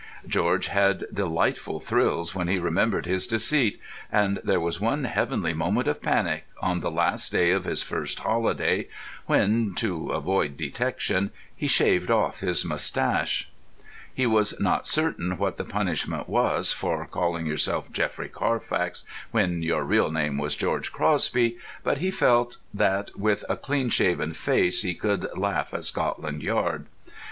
George had delightful thrills when he remembered his deceit; and there was one heavenly moment of panic, on the last day of his first holiday, when (to avoid detection) he shaved off his moustache. He was not certain what the punishment was for calling yourself Geoffrey Carfax when your real name was George Crosby, but he felt that with a clean shaven face he could laugh at Scotland Yard.